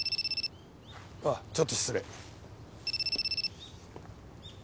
ああちょっと失礼。